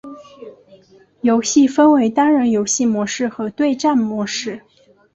游戏分为单人游戏模式和对战模式。